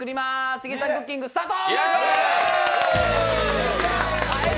シゲちゃんクッキングスタート！